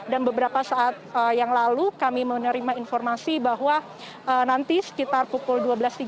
dan beberapa saat yang lalu kami menerima informasi bahwa nanti sekitar pukul dua belas tiga puluh